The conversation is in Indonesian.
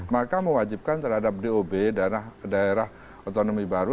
maka mewajibkan terhadap dob daerah otonomi baru